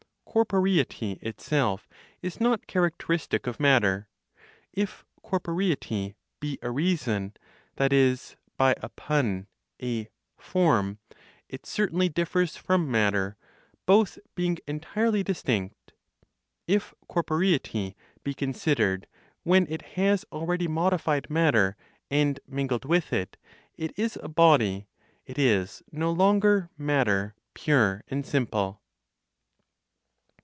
Corporeity itself, is not characteristic of matter. If corporeity be a reason (that is, by a pun, a 'form'), it certainly differs from matter, both being entirely distinct. If corporeity be considered when it has already modified matter and mingled with it, it is a body; it is no longer matter pure and simple.